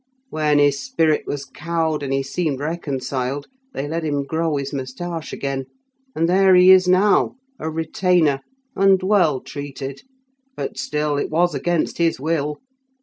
When his spirit was cowed, and he seemed reconciled, they let him grow his moustache again, and there he is now, a retainer, and well treated. But still, it was against his will.